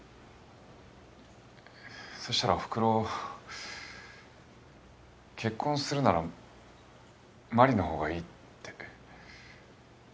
そしたらおふくろ結婚するなら真理の方がいいって。